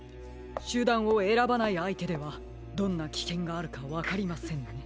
しゅだんをえらばないあいてではどんなきけんがあるかわかりませんね。